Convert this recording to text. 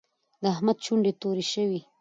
د احمد شونډې تورې شوې.